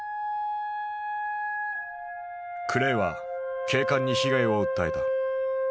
クレイは警官に被害を訴えた。